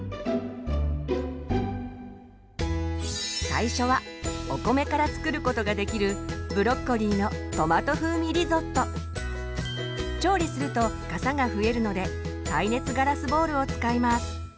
最初はお米から作ることができる調理するとかさが増えるので耐熱ガラスボウルを使います。